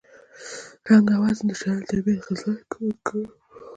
رنګ او وزن د شیانو طبیعي خصلت ګڼل کېږي